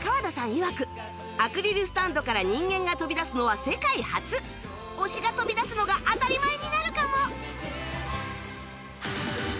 いわくアクリルスタンドから人間が飛び出すのは世界初推しが飛び出すのが当たり前になるかも！